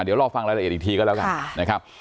เดี๋ยวรอฟังรายละเอียดอีกทีก็แล้วกันนะครับ